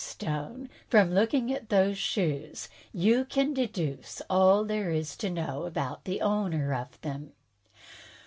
Stone, from looking at those shoes, you can deduce all there is to know about the owner of them."